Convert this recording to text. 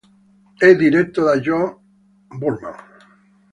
È diretto da John Boorman.